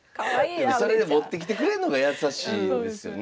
それで持ってきてくれんのが優しいですよね。